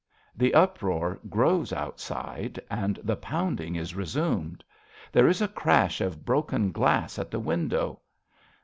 {The uproar grows outside, and the pounding is resumed. There is a crash of broken glass at the window.)